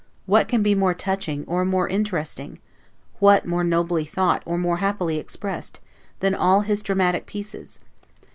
What can be more touching, or more interesting what more nobly thought, or more happily expressed, than all his dramatic pieces?